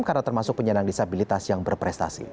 karena termasuk penyandang disabilitas yang berprestasi